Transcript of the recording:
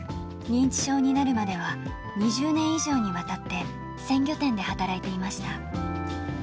認知症になるまでは、２０年以上にわたって、鮮魚店で働いていました。